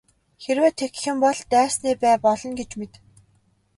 Хэрвээ тэгэх юм бол дайсны бай болно гэж мэд.